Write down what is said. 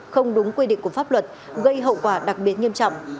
không đúng quy định của pháp luật gây hậu quả đặc biệt nghiêm trọng